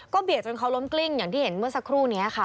เบียดจนเขาล้มกลิ้งอย่างที่เห็นเมื่อสักครู่นี้ค่ะ